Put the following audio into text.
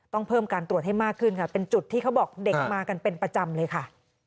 ต้องเพิ่มการตรวจให้มากขึ้นค่ะเป็นจุดที่เขาบอกเด็กมากันเป็นประจำเลยค่ะ